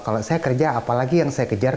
kalau saya kerja apalagi yang saya kejar